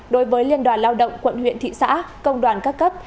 đối với liên đoàn lao động quận huyện thị xã công đoàn các cấp